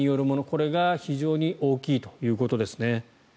これが非常に大きいということですね。